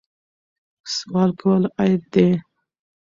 سوال کول عیب دی.